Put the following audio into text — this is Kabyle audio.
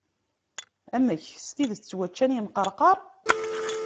Amek, s tidet ttwaččan imqerqar?